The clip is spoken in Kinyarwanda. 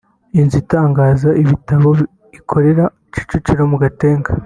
inzu itangaza ibitabo ikorera Kicukiro mu Gatenga